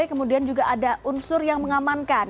kemudian juga ada unsur yang mengamankan